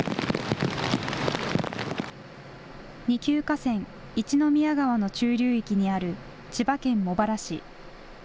二級河川、一宮川の中流域にある千葉県茂原市。